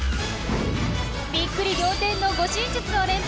びっくり仰天の護身術を連発！